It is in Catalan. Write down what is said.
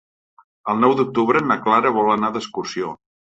El nou d'octubre na Clara vol anar d'excursió.